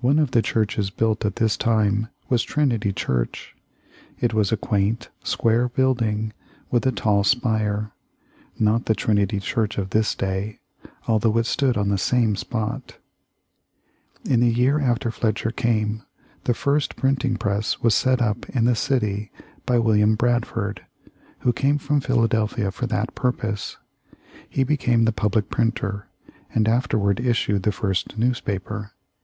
One of the churches built at this time was Trinity Church. It was a quaint, square building, with a tall spire not the Trinity Church of this day, although it stood on the same spot. [Illustration: Bradford's Tombstone.] In the year after Fletcher came, the first printing press was set up in the city by William Bradford, who came from Philadelphia for that purpose. He became the public printer, and afterward issued the first newspaper.